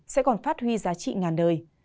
sẽ còn phát huy giá trị ngàn đời